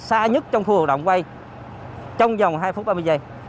xa nhất trong khu hoạt động bay trong vòng hai phút ba mươi giây